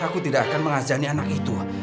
aku tidak akan mengajani anak itu